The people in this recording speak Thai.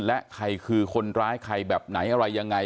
และใครคือคนร้ายใครแบบไหนอะไรยังไง